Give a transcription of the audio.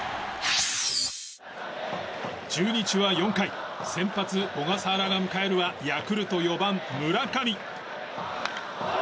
中日は４回先発、小笠原が迎えるはヤクルトの４番、村上。